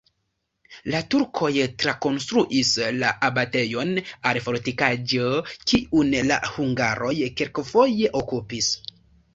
La turkoj trakonstruis la abatejon al fortikaĵo, kiun la hungaroj kelkfoje okupis.